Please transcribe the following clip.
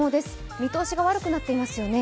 見通しが悪くなっていますよね。